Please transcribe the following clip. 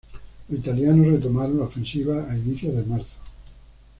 Los italianos retomaron la ofensiva a inicios de marzo.